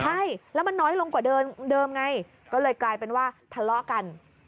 ใช่แล้วมันน้อยลงกว่าเดิมไงก็เลยกลายเป็นว่าทะเลาะกัน